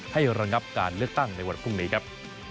ระงับการเลือกตั้งในวันพรุ่งนี้ครับ